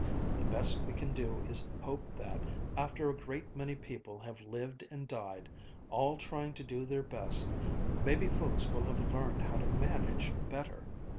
The best we can do is to hope that after a great many people have lived and died, all trying to do their best, maybe folks will have learned how to manage better.